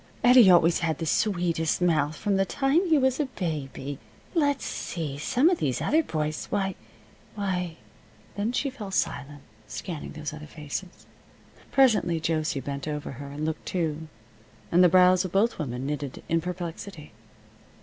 Eddie always had the sweetest mouth, from the time he was a baby. Let's see some of these other boys. Why why " Then she fell silent, scanning those other faces. Presently Josie bent over her and looked too, and the brows of both women knitted in perplexity.